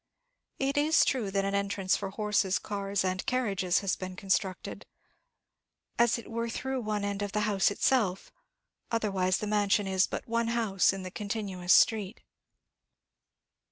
It is true that an entrance for horses, cars, and carriages has been constructed, as it were through one end of the house itself; otherwise the mansion is but one house in the continuous street.